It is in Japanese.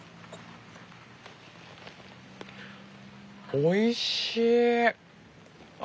おいしい。